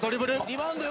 リバウンド！